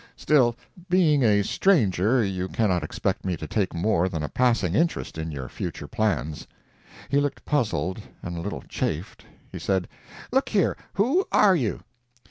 Still, being a stranger, you cannot expect me to take more than a passing interest in your future plans." He looked puzzled, and a little chafed. He said: "Look here—who are you?"